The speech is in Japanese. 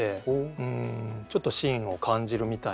うんちょっと芯を感じるみたいな。